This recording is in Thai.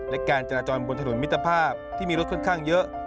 และการจราจรบนถนนมิตรภาพที่มีรถค่อนข้างเยอะ